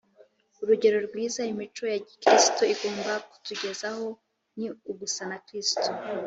urugero rwiza imico ya gikristo igomba kutugezaho ni ugusa na kristo